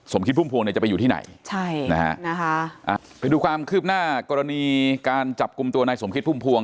สมคิดพุ่มพวงจะไปอยู่ที่ไหนไปดูความคืบหน้ากรณีการจับกลุ่มตัวในสมคิดพุ่มพวง